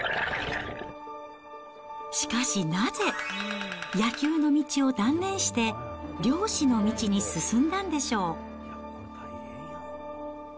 しかし、なぜ野球の道を断念して、漁師の道に進んだんでしょう。